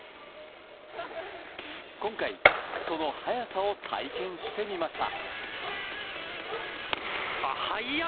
今回、その速さを体験してみました。